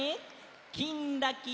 「きんらきら」。